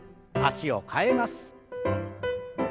脚を替えます。